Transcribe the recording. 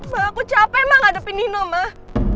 mah aku capek mah ngadepin nino mah